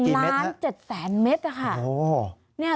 ๑ล้าน๗๐๐เมตรค่ะ